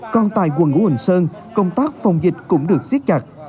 còn tại quần ngũ hồn sơn công tác phòng dịch cũng được xiết chặt